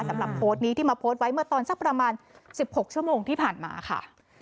สำหรับโพสต์นี้ที่มาโพสต์ไว้เมื่อตอนสักประมาณ๑๖ชั่วโมงที่ผ่านมาค่ะ